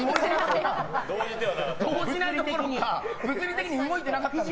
動じないどころか物理的に動いてなかったので。